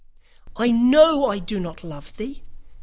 I know I do not love thee!